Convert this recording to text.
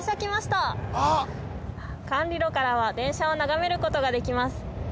管理路からは電車を眺めることができます